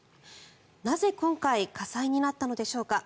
なぜ、今回火災になったのでしょうか。